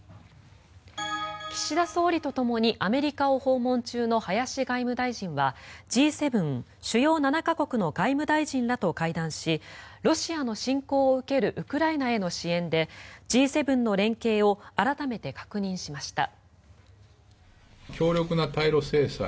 岸田総理とともにアメリカを訪問中の林外務大臣はＧ７・主要７か国の外務大臣らと会談しロシアの侵攻を受けるウクライナへの支援でＧ７の連携を改めて確認しました。